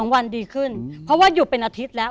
เพราะว่าอยู่เป็นอาทิตย์แล้ว